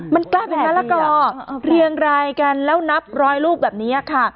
มันกลายเป็นมะละกอเรียงรายกันแล้วนับร้อยรูปแบบนี้ค่ะ